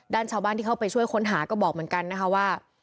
ชาวบ้านที่เข้าไปช่วยค้นหาก็บอกเหมือนกันนะคะว่า